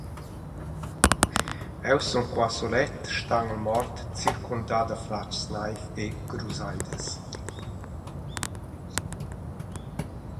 Eu sun qua sulet, stanguel mort, circundà da flachs naiv e grusaidas.